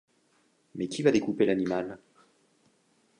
Mais qui va découper l’animal?